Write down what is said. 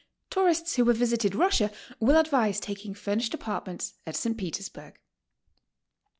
Tourists who have visited Russia will advise taking fur nished apartments at St. Petersburg.